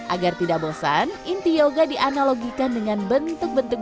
agar tidak bosan inti yoga dianalogikan dengan bentuk bentuk